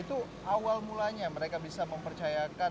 itu awal mulanya mereka bisa mempercayakan